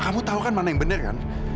kamu tahu kan mana yang benar kan